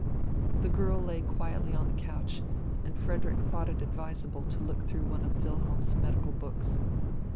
The girl lay quietly on the couch; and Frederick thought it advisable to look through one of Wilhelm's medical books.